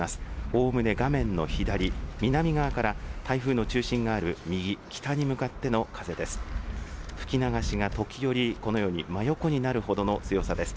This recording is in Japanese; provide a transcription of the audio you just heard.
おおむね画面の左、南側から、台風の中心がある右、北に向かっての風です。